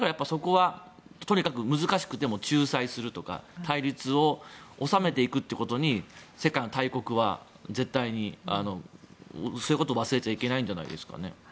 とにかく難しくても仲裁するとか対立を収めていくということに世界の大国は絶対にそういうことを忘れちゃいけないんじゃないですかね。